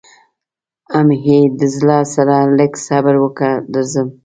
حم ای د زړه سره لږ صبر وکه درځم.